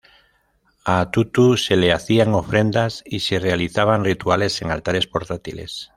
A Tutu se le hacían ofrendas y se realizaban rituales en altares portátiles.